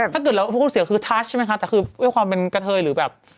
ถ้าเกิดเราพูดเสียคือทัชใช่ไหมคะแต่คือด้วยความเป็นกระเทยหรือแบบ